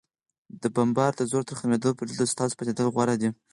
د بمبار د زور تر ختمېدو پورې، دلته ستاسو پاتېدل غوره دي.